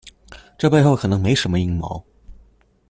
這背後可能沒什麼陰謀